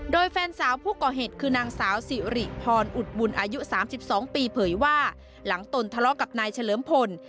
โดยแฟนสาวผู้ก่อเหตุคือนางสาวสิริพรอุดบุญอายุ๓๒ปีเผยว่าหลังตนทะเลาะกับนายเฉลิมพล